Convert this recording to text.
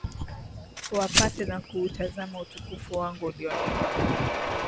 wapate na kuutazama utukufu wangu ulionipa